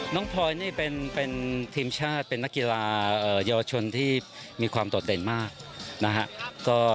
น้องพลอยเป็นทีมชาติเป็นนักกีฬาเยาวชนที่มีความโตดเด่นมาก